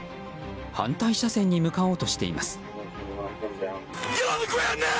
反対車線に向かおうとしています。